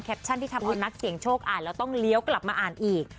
ที่ทำเอานักเสี่ยงโชคอ่านแล้วต้องเลี้ยวกลับมาอ่านอีก